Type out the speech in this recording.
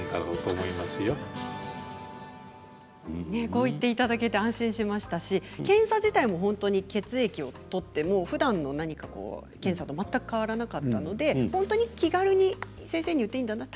こう言っていただけて安心しましたし、検査自体も血液を採って、ふだんの検査と全く変わらなかったので本当に気軽に先生に言っていいんだと。